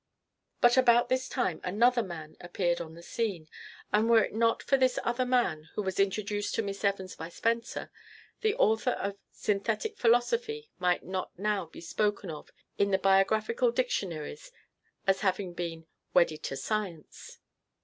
But about this time another man appeared on the scene, and were it not for this other man, who was introduced to Miss Evans by Spencer, the author of "Synthetic Philosophy" might not now be spoken of in the biographical dictionaries as having been "wedded to science."